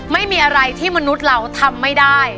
ไม่มีอะไรที่มนุษย์เราทำไม่ได้